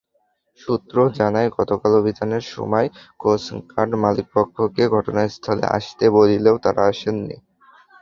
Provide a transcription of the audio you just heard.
সূত্র জানায়, গতকাল অভিযানের সময় কোস্টগার্ড মালিকপক্ষকে ঘটনাস্থলে আসতে বললেও তারা আসেনি।